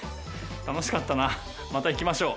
楽しかったなまた行きましょう。